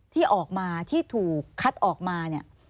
ที่ออกมาที่ถูกคัดออกมา